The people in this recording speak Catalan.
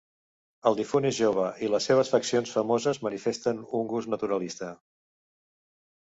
El difunt és jove i les seves faccions formoses manifesten un gust naturalista.